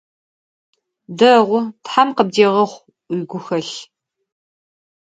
Дэгъу, тхьэм къыбдегъэхъу уигухэлъ!